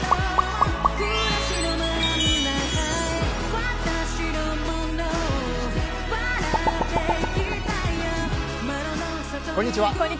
こんにちは。